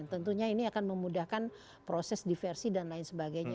tentunya ini akan memudahkan proses diversi dan lain sebagainya